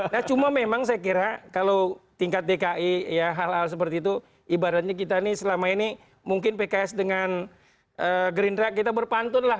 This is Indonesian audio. nah cuma memang saya kira kalau tingkat dki ya hal hal seperti itu ibaratnya kita nih selama ini mungkin pks dengan gerindra kita berpantun lah